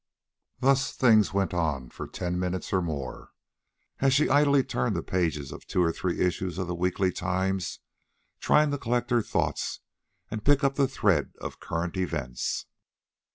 Thus things went on for ten minutes or more, as she idly turned the pages of two or three issues of the weekly "Times," trying to collect her thoughts and pick up the thread of current events.